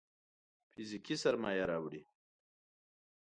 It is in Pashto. فزيکي سرمايه راوړي.